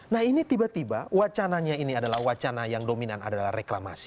nah ini tiba tiba wacananya ini adalah wacana yang dominan adalah reklamasi